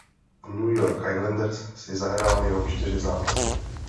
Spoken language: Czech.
V New York Islanders si zahrál jenom čtyři zápasy.